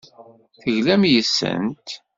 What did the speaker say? Teglam yes-sent.